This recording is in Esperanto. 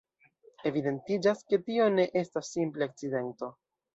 Evidentiĝas, ke tio ne estas simple akcidento.